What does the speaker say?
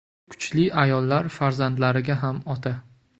Kuchli ayollar farzandlariga ham ota